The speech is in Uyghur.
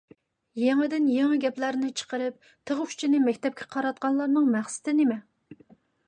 يېڭىدىن يېڭى گەپلەرنى چىقىرىپ، تىغ ئۇچىنى مەكتەپكە قاراتقانلارنىڭ مەقسىتى نېمە؟